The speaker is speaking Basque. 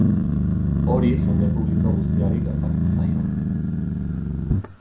Hori jende publiko guztiari gertatzen zaio.